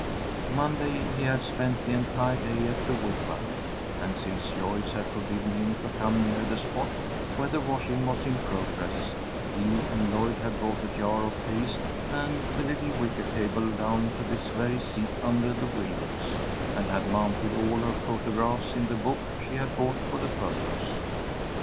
Monday he had spent the entire day at the Wigwam, and, since Joyce had forbidden him to come near the spot where the washing was in progress, he and Lloyd had brought a jar of paste and the little wicker table down to this very seat under the willows, and had mounted all her photographs in the book she had bought for the purpose.